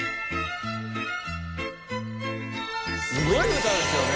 すごい歌ですよね。